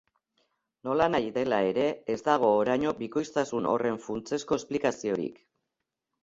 Nolanahi dela ere, ez dago oraino bikoiztasun horren funtsezko esplikaziorik.